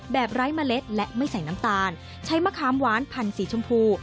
ไร้เมล็ดและไม่ใส่น้ำตาลใช้มะขามหวานพันธุ์สีชมพู